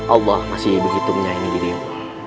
allah masih begitu menyayangi dirimu